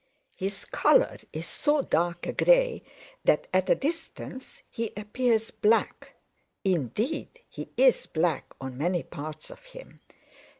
"His color is so dark a gray that at a distance he appears black. Indeed he is black on many parts of him.